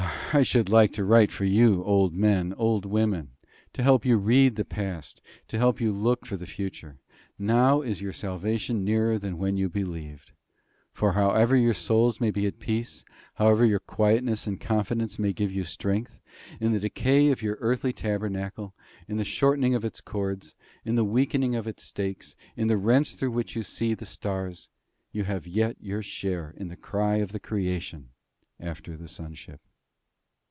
I should like to write for you, old men, old women, to help you to read the past, to help you to look for the future. Now is your salvation nearer than when you believed; for, however your souls may be at peace, however your quietness and confidence may give you strength, in the decay of your earthly tabernacle, in the shortening of its cords, in the weakening of its stakes, in the rents through which you see the stars, you have yet your share in the cry of the creation after the sonship.